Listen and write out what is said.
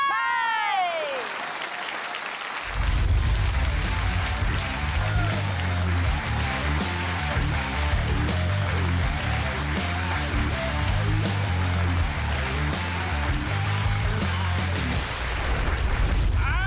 ไป